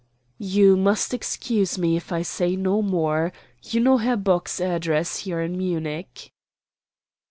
"You must excuse me if I say no more. You know Herr Bock's address here in Munich."